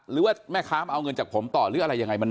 หรือว่าแม่ค้ามาเอาเงินจากผมต่อหรืออะไรยังไง